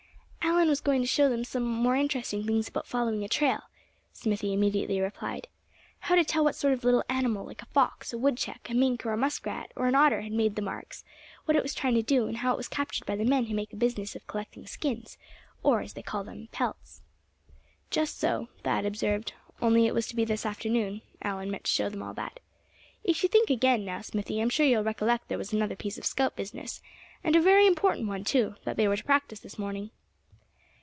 "Allan was going to show them some more interesting things about following a trail," Smithy immediately replied; "how to tell what sort of little animal like a fox, a woodchuck, a mink, a muskrat or an otter had made the marks; what it was trying to do; and how it was captured by the men who make a business of collecting skins, or as they call them, pelts." "Just so," Thad observed, "only it was to be this afternoon Allan meant to show them all that. If you think again, now, Smithy, I'm sure you'll recollect there was another piece of scout business, and a very important one too, that they were to practice this morning."